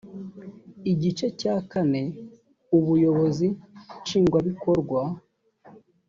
igice cya kane ubuyobozi nshingwabikorwa